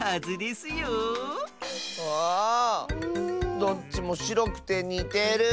うわあどっちもしろくてにてる。